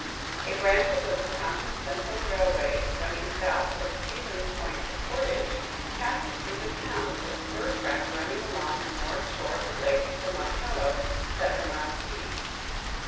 A branch of the Wisconsin Central Railway, running south from Stevens Point to Portage, passes through the town, with a spur track running along the north shore of the lake to Montello, seven miles east.